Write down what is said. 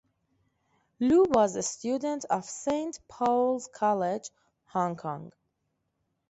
Lau was a student of Saint Paul's College, Hong Kong.